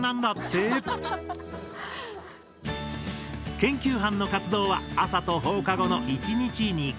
研究班の活動は朝と放課後の１日２回。